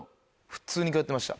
普通に通ってました。